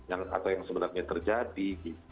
atau yang sebenarnya terjadi